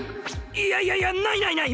いやいやいやないないない！